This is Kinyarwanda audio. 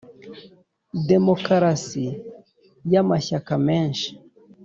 demokarasi y’amashyaka menshi.